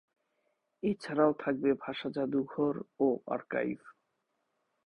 এছাড়াও থাকবে ভাষা-জাদুঘর ও আর্কাইভ।